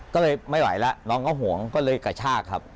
ก็เลยไม่ไหวแล้วน้องก็ห่วงก็เลยกระชากครับ